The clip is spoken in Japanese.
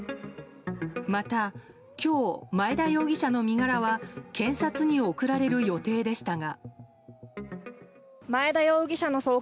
また、今日前田容疑者の身柄は検察に送られる予定でしたが。